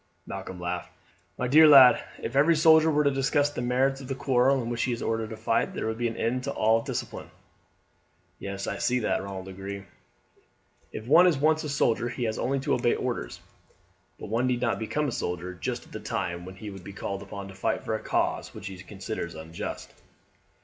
Malcolm laughed. "My dear lad, if every soldier were to discuss the merits of the quarrel in which he is ordered to fight there would be an end of all discipline." "Yes, I see that," Ronald agreed; "if one is once a soldier he has only to obey orders. But one need not become a soldier just at the time when he would be called upon to fight for a cause which he considers unjust."